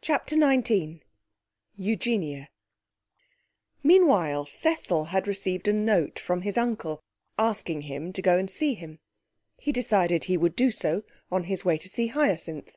CHAPTER XIX Eugenia Meanwhile Cecil had received a note from his uncle, asking him to go and see him. He decided he would do so on his way to see Hyacinth.